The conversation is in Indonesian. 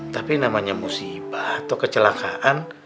tapi namanya musibah atau kecelakaan